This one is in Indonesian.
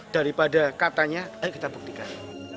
daripada katanya ayo kita buktikan